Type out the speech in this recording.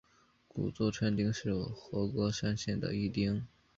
古座川町是和歌山县的一町。